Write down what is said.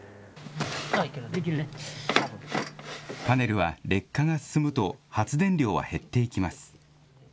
パネルは劣化が進むと、発電量は減っていきます。